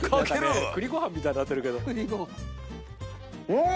うん！